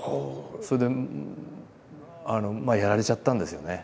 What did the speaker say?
それでまあやられちゃったんですよね。